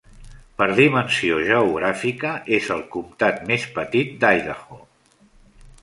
Per dimensió geogràfica, és el comtat més petit d'Idaho.